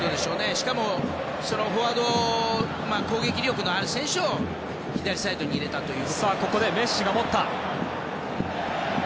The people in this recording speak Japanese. しかも、フォワードの攻撃力のある選手を左サイドに入れたという。